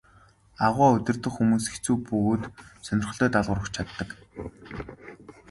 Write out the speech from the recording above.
Аугаа удирдах хүмүүс хэцүү бөгөөд сонирхолтой даалгавар өгч чаддаг.